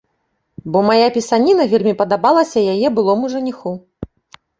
Бо мая пісаніна вельмі падабалася яе былому жаніху.